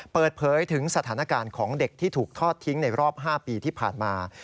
เปิดเผยถึงสถานการณ์ของเด็กที่ถูกทอดทิ้งในรอบ๕ปีที่ผ่านมา